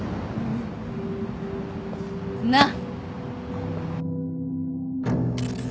なっ？